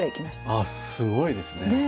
あっすごいですね。